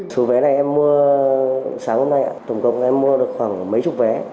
số vé này em mua sáng hôm nay ạ tổng cộng em mua được khoảng mấy chục vé